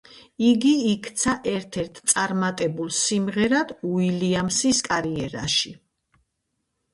იგი იქცა ერთ-ერთ წარმატებულ სიმღერად უილიამსის კარიერაში.